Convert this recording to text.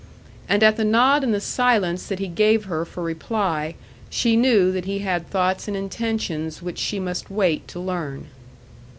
And at the nod and the silence that he gave her for reply, she knew that he had thoughts and intentions which she must wait to learn.